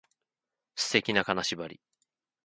素敵な金縛り